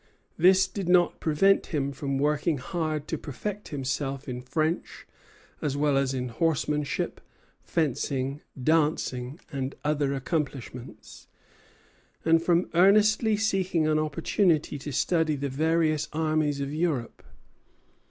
This did not prevent him from working hard to perfect himself in French, as well as in horsemanship, fencing, dancing, and other accomplishments, and from earnestly seeking an opportunity to study the various armies of Europe.